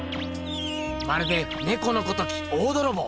まるでねこのごとき大どろぼう！